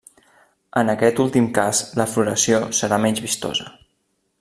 En aquest últim cas la floració serà menys vistosa.